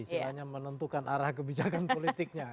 istilahnya menentukan arah kebijakan politiknya